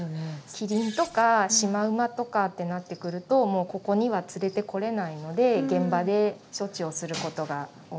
キリンとかシマウマとかってなってくるともうここには連れてこれないので現場で処置をすることが多いですね。